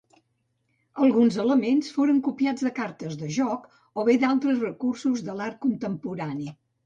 Alguns elements foren copiats de cartes de joc, o bé d'altres recursos de l'art contemporani.